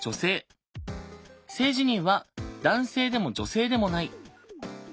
性自認は「男性でも女性でもない」。